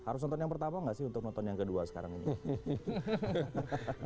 harus nonton yang pertama nggak sih untuk nonton yang kedua sekarang ini